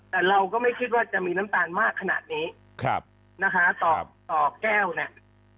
แต่เราก็ไม่คิดว่าจะมีน้ำตาลมากขนาดนี้ครับนะคะต่อต่อแก้วเนี่ย